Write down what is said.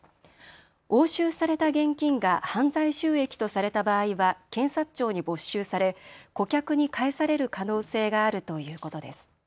押収された現金が犯罪収益とされた場合は検察庁に没収され顧客に返される可能性があるということです。